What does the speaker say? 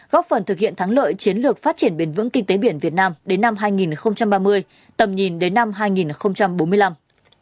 góp phần thực hiện thắng lợi chiến lược phát triển bền vững kinh tế biển việt nam đến năm hai nghìn ba mươi tầm nhìn đến năm hai nghìn bốn mươi năm